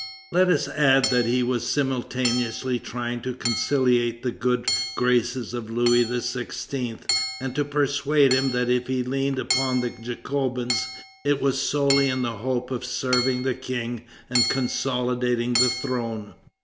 Let us add that he was simultaneously trying to conciliate the good graces of Louis XVI. and to persuade him that if he leaned upon the Jacobins, it was solely in the hope of serving the King and consolidating the throne.